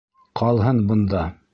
— Ҡалһын бында.